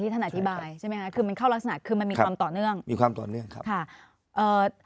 ตั้งแต่เมื่อวานที่ท่านอธิบาย